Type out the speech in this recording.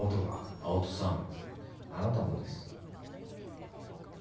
青砥さんあなたもです。